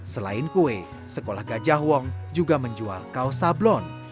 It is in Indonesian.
selain kue sekolah gajah wong juga menjual kaos sablon